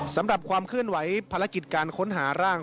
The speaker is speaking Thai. สำหรับความขึ้นไหวภารกิจการค้นหาร่าง